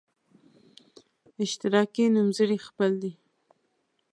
اشتراکي نومځري خپل دی.